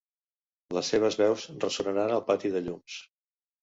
Les seves veus ressonaran al pati de llums.